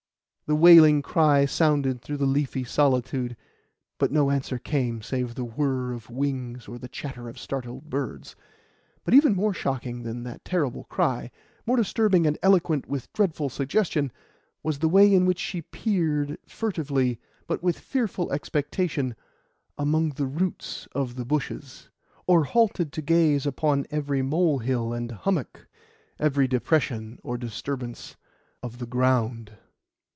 The wailing cry sounded through the leafy solitude; but no answer came save the whirr of wings or the chatter of startled birds. But even more shocking than that terrible cry more disturbing and eloquent with dreadful suggestion was the way in which she peered, furtively, but with fearful expectation, among the roots of the bushes, or halted to gaze upon every molehill and hummock, every depression or disturbance of the ground.